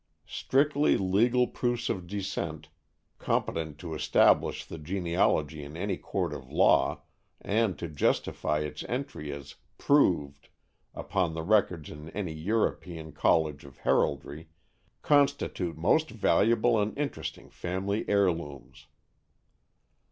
Strictly legal proofs of descent, competent to establish the genealogy in any court of law and to justify its entry as "proved" upon the records in any European college of heraldry, constitute most valuable and interesting family heirlooms.